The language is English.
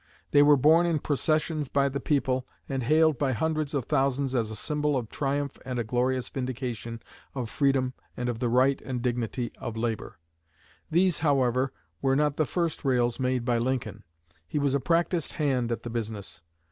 They were borne in processions by the people, and hailed by hundreds of thousands as a symbol of triumph and a glorious vindication of freedom and of the right and dignity of labor. These, however, were not the first rails made by Lincoln. He was a practiced hand at the business.